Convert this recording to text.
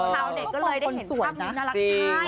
ชาวเน็ตก็เลยได้เห็นภาพนี้น่ารักใช่